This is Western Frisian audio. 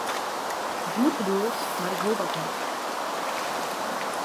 Goed bedoeld, mar ik wol dat net.